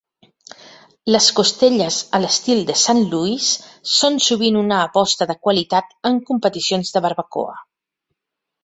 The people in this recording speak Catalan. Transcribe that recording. Les costelles a l'estil de Saint Louis són sovint una aposta de qualitat en competicions de barbacoa.